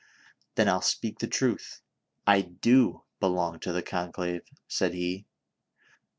" Then I'll speak the truth ; I do belong to the conclave," said he.